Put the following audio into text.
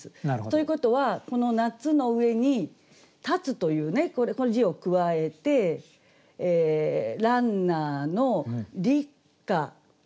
ということはこの「夏」の上に「立つ」という字を加えて「ランナーの立夏の坂を折り返す」と。